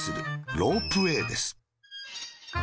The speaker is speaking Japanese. ロープウェーです。